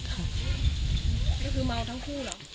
ก็คือเมาทั้งคู่เหรอ